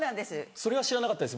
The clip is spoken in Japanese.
⁉それは知らなかったです